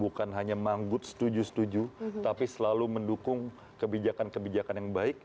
bukan hanya manggut setuju setuju tapi selalu mendukung kebijakan kebijakan yang baik